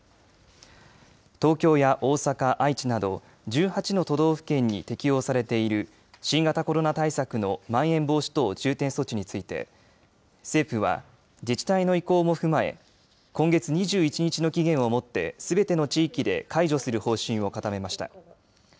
東京や大阪、愛知など１８の都道府県に適用されている新型コロナ対策のまん延防止等重点措置について政府は自治体の意向も踏まえ今月２１日の期限をもってすべての地域で解除する方針を固めました。